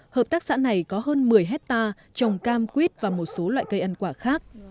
hợp tác xã này có hơn một mươi hectare trồng cam quýt và một số loại cây ăn quả khác